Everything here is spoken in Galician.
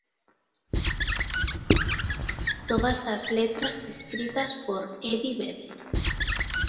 Todas as letras escritas por Eddie Vedder